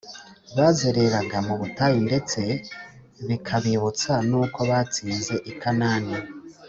bazereraga mu butayu ndetse bikabibutsa n’uko batsinze i kanani